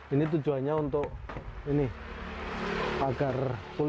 ini tujuannya untuk ini agar kulit bisa berdiameter